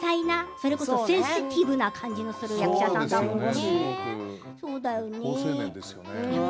それこそセンシティブな感じがする役者さんですものね。